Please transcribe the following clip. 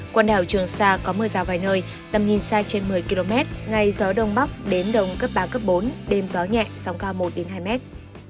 quần đảo trường sa có mưa rào vài nơi tầm nhìn xa trên một mươi km ngay gió đông bắc đến đông cấp ba cấp bốn đêm gió nhẹ sóng cao một hai mét